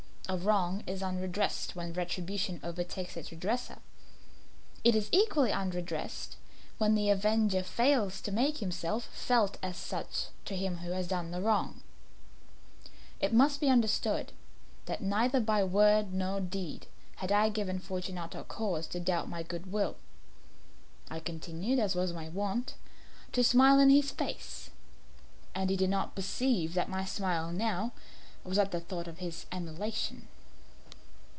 A wrong is unredressed when retribution overtakes its redresser. It is equally unredressed when the avenger fails to make himself felt as such to him who has done the wrong. It must be understood that neither by word nor deed had I given Fortunato cause to doubt my good will. I continued, as was my wont, to smile in his face, and he did not perceive that my smile now was at the thought of his immolation.